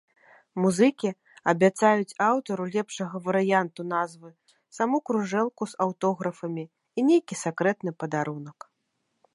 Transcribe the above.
Музыкі абяцаюць аўтару лепшага варыянту назвы саму кружэлку з аўтографамі і нейкі сакрэтны падарунак.